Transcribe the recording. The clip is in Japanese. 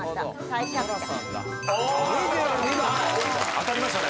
当たりましたね。